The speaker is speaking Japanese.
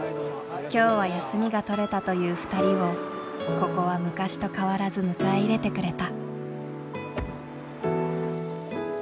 今日は休みが取れたという２人をここは昔と変わらず迎え入れてくれた。